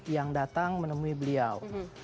yang datang menemui beliau